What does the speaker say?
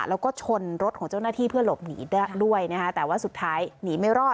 แล้วก็ชนรถของเจ้าหน้าที่เพื่อหลบหนีด้วยนะคะแต่ว่าสุดท้ายหนีไม่รอด